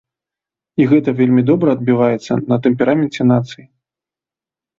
І гэта вельмі добра адбіваецца на тэмпераменце нацыі.